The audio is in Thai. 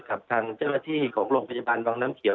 กับทางเจ้าหน้าที่ของโรงพยาบาลวังน้ำเขียว